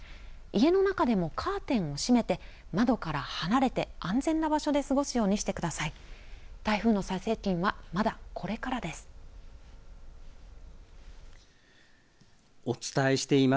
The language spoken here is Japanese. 家の中でもカーテンを閉めて、窓から離れて、安全な場所で過ごすようにしてください。